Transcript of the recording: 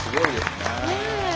ねえ。